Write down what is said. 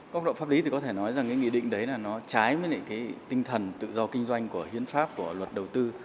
các độ pháp lý có thể nói rằng nghị định đấy trái với tinh thần tự do kinh doanh của hiến pháp của luật đầu tư